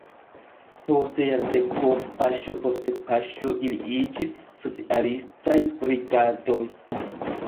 Post jardeko paŝo post paŝo ili iĝis "socialistaj brigadoj".